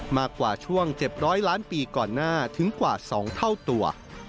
มากกว่าช่วง๗๐๐ล้านปีก่อนหน้าถึงกว่า๒เท่าตัว